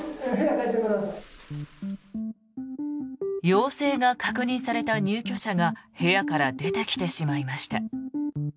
陽性が確認された入居者が部屋から出てきてしまいました。